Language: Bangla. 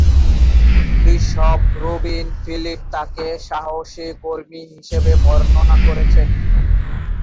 বিশপ রুবিন ফিলিপ তাঁকে "সাহসী কর্মী" হিসাবে বর্ণনা করেছেন।